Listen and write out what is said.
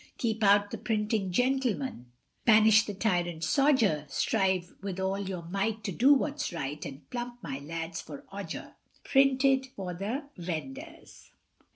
Keep out the printing gentleman, Banish the tyrant sodger, Strive with all your might to do what's right, And plump my lads for Odger. Printed for the Vendors.